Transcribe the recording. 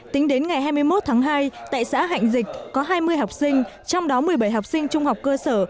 tính đến ngày hai mươi một tháng hai tại xã hạnh dịch có hai mươi học sinh trong đó một mươi bảy học sinh trung học cơ sở